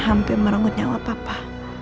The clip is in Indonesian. hampir merengut nyawa papa